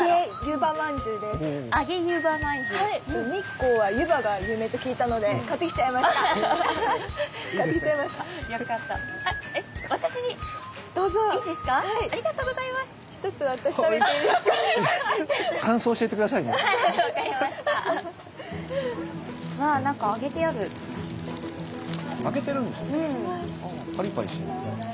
パリパリしてる。